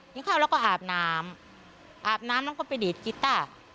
กินข้าวแล้วก็อาบน้ำอาบน้ำมันก็ไปดีดกิตต้า